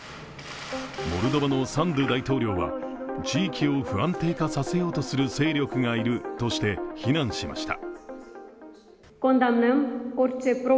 モルドバのサンドゥ大統領は地域を不安定化させる勢力がいるとし非難しました。